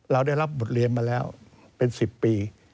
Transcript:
เราได้รับบทเรียนมาแล้วเป็น๑๐ปี